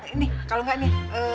ini kalau gak ini